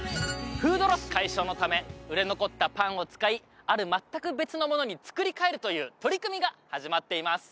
フードロス解消のため売れ残ったパンを使いある全く別のものに作りかえるという取り組みが始まっています